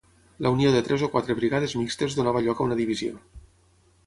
La unió de tres o quatre brigades mixtes donava lloc a una divisió.